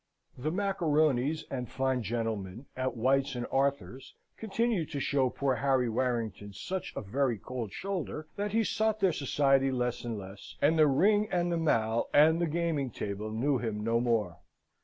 The macaronis and fine gentlemen at White's and Arthur's continued to show poor Harry Warrington such a very cold shoulder, that he sought their society less and less, and the Ring and the Mall and the gaming table knew him no more.